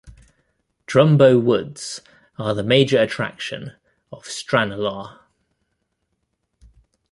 Drumboe Woods are the major attraction of Stranorlar.